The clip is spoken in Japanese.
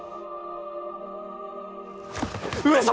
上様！